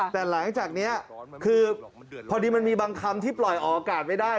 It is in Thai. แต่หลังจากนี้คือพอดีมันมีบางคำที่ปล่อยออกอากาศไม่ได้